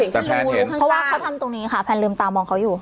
แต่แพทย์เห็นเพราะว่าเขาทำตรงนี้ค่ะแพทย์ลืมตามอ้าวเขาอยู่